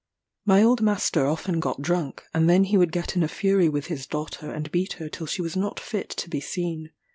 My old master often got drunk, and then he would get in a fury with his daughter, and beat her till she was not fit to be seen.